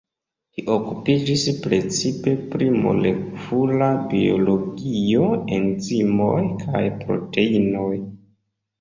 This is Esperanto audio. Li okupiĝis precipe pri molekula biologio, enzimoj kaj proteinoj.